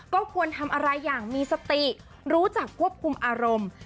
ก็ควรทำอะไรอย่างมีสติรู้จักควบคุมอารมณ์